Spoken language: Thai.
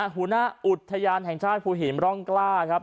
ภูณุ่นอุทยานแห่งเจ้าผู้หญิงร่องกล้าครับ